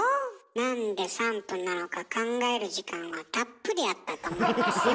なんで３分なのか考える時間はたっぷりあったと思いますよ？